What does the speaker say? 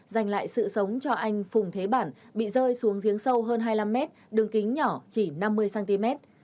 dành lại sự sống cho anh phùng thế bản bị rơi xuống giếng sâu hơn hai mươi năm mét đường kính nhỏ chỉ năm mươi cm